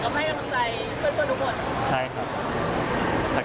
ก็ให้กำลังใจเพื่อนทุกหมด